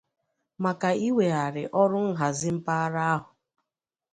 maka iwèghara ọrụ nhàzi mpaghara ahụ.